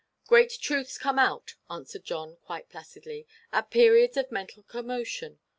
"Great truths come out," answered John, quite placidly, "at periods of mental commotion.